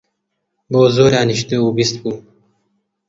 بۆ زۆرانیش دە و بیست بوو.